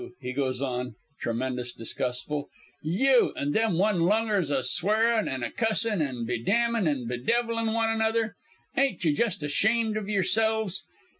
_' he goes on, tremendous disgustful. 'You! an' them one lungers a swearin' an' a cussin' an' bedamnin' an' bedevilin' one a other. Ain't ye just ashamed o' yourselves